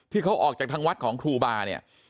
ที่เขาออกจากทางวัดของครูบาเนี่ย